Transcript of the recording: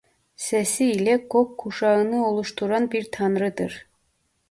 Sesi ile gökkuşağını oluşturan bir tanrıdır.